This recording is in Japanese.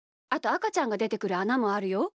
あとあかちゃんがでてくるあなもあるよ。